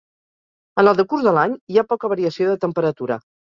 En el decurs de l'any hi ha poca variació de temperatura.